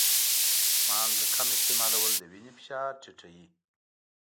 مالګه کم استعمالول د وینې فشار ټیټوي.